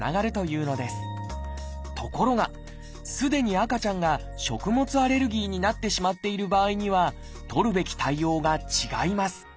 ところがすでに赤ちゃんが食物アレルギーになってしまっている場合には取るべき対応が違います